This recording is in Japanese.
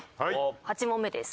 ８問目です。